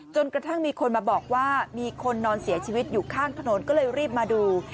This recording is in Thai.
จนกระทั่งมีคนมาบอกว่ามีคนนอนเสียชีวิตอยู่ข้างถนนก็เลยรีบมาดู